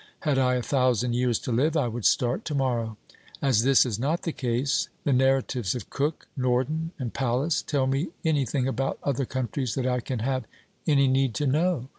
Had I a thousand years to live I would start to morrow. As this is not the case, the narratives of Cook, Norden, and Pallas tell me anything about other countries that I can have any need to know.